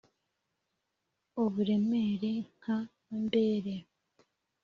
uburemere nka amber,